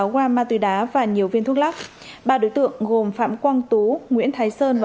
sáu gam ma túy đá và nhiều viên thuốc lắc ba đối tượng gồm phạm quang tú nguyễn thái sơn và